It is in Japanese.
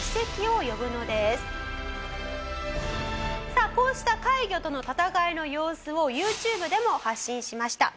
さあこうした怪魚との戦いの様子をＹｏｕＴｕｂｅでも発信しました。